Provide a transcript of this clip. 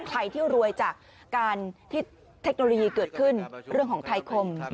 ใครที่รวยจากการที่เทคโนโลยีเกิดขึ้นเรื่องของไทยคม